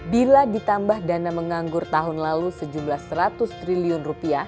bila ditambah dana menganggur tahun lalu sejumlah rp seratus triliun